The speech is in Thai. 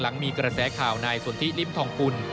หลังมีกระแสข่าวในส่วนที่ลิมทองกุล